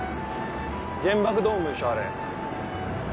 原爆ドームでしょあれ。